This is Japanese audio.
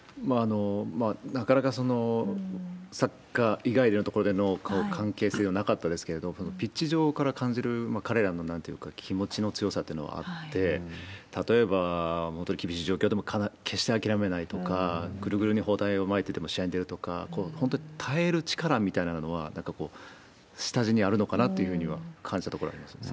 なかなかサッカー以外のところでの関係性がなかったですけれど、このピッチ上から感じる彼らの、なんていうか、気持ちの強さっていうのはあって、例えば本当に厳しい状況でも決して諦めないとか、ぐるぐるに包帯を巻いてでも試合に出るとか、本当に耐える力みたいなのは、なんかこう、下地にあるのかなっていうふうには感じたところありますよね。